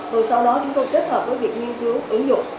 rồi sau đó chúng tôi kết hợp với việc nghiên cứu ứng dụng